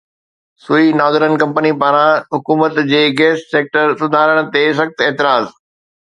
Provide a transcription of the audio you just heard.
سوئي northern company پاران حڪومت جي گيس سيڪٽر سڌارن تي سخت اعتراض